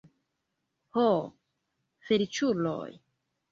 Ho, feliĉuloj!